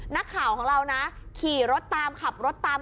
นักข่าวของเรานะขี่รถตามขับรถตาม